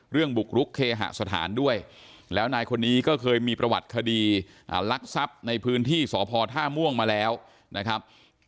บุกรุกเคหสถานด้วยแล้วนายคนนี้ก็เคยมีประวัติคดีลักทรัพย์ในพื้นที่สพท่าม่วงมาแล้วนะครับ